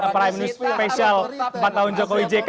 prime news spesial empat tahun jokowi jk